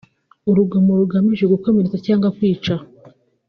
urugomo rugamije gukomeretsa cyangwa kwica